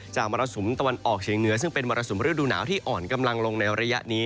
มรสุมตะวันออกเฉียงเหนือซึ่งเป็นมรสุมฤดูหนาวที่อ่อนกำลังลงในระยะนี้